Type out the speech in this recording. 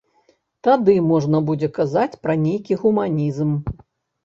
Тады можна будзе казаць пра нейкі гуманізм.